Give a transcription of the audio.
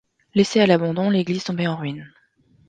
Laissée à l'abandon, l'église tombait en ruine.